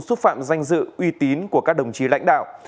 xúc phạm danh dự uy tín của các đồng chí lãnh đạo